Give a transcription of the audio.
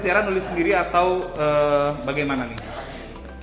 di sejarah nulis sendiri atau bagaimana nih